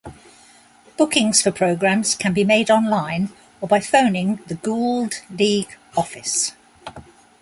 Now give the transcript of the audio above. Bookings for programs can be made online or by phoning the Gould League office.